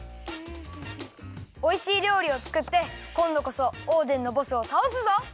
おいしいりょうりをつくってこんどこそオーデンのボスをたおすぞ！